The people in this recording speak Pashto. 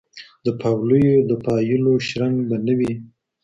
د پاولیو د پایلو شرنګ به نه وي